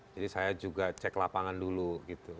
jadi saya juga cek lapangan dulu